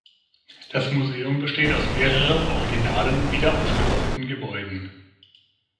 Das Museum besteht aus mehreren originalen, wiederaufgebauten Gebäuden.